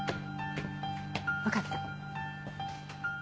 わかった。